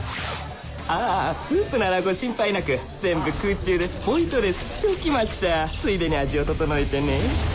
ああスープならご心配なく全部空中でスポイトで吸っておきましたついでに味を調えてね